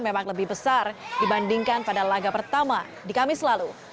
memang lebih besar dibandingkan pada laga pertama di kamis lalu